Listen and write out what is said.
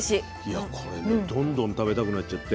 いやこれねどんどん食べたくなっちゃって。